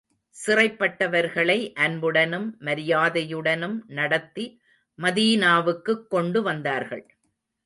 சிறைப்பட்டவர்களை அன்புடனும் மரியாதையுடனும் நடத்தி மதீனாவுக்குக் கொண்டு வந்தார்கள்.